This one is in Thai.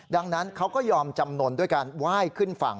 ดังนั้นเขาก็ยอมจำนวนด้วยการไหว้ขึ้นฝั่ง